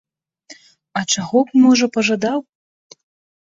А чаго б, можа, пажадаў!